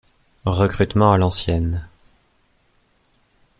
Recrutement à l’ancienne.